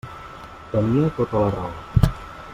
Tenia tota la raó.